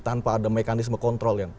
tanpa ada mekanisme kontrol yang